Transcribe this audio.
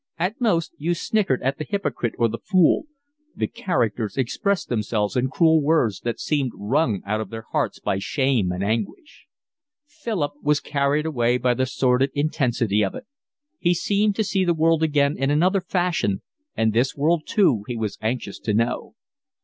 At most you sniggered at the hypocrite or the fool: the characters expressed themselves in cruel words that seemed wrung out of their hearts by shame and anguish. Philip was carried away by the sordid intensity of it. He seemed to see the world again in another fashion, and this world too he was anxious to know.